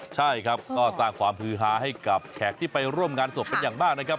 ใช่ครับก็สร้างความฮือฮาให้กับแขกที่ไปร่วมงานศพเป็นอย่างมากนะครับ